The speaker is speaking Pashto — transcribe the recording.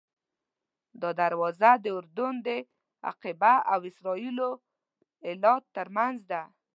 دا دروازه د اردن د عقبه او اسرائیلو ایلات ترمنځ ده.